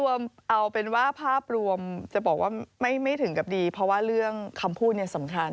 ว่าไม่ถึงกับดีเพราะว่าเรื่องคำพูดนี่สำคัญ